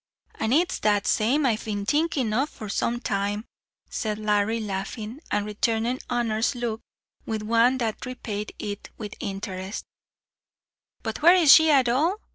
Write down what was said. "An' it's that same I've been thinking of for some time," said Larry, laughing, and returning Honor's look with one that repaid it with interest "But where is she at all?